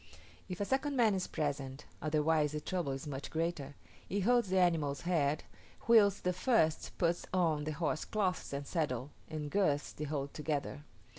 If a second man is present (otherwise the trouble is much greater) he holds the animal's head, whilst the first puts on the horsecloths and saddle, and girths the whole together.